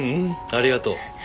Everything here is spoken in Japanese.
ありがとう。